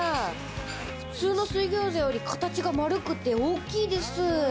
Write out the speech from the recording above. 普通の水ギョーザより、形が丸くて大きいです。